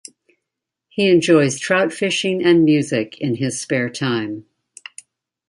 He enjoys trout fishing and music in his spare time.